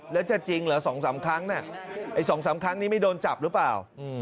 แล้วจะจริงเหรอ๒๓ครั้งไอ้๒๓ครั้งนี้ไม่โดนจับหรือเปล่า